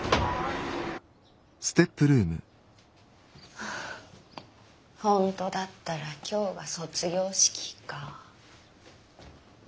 はあ本当だったら今日が卒業式か。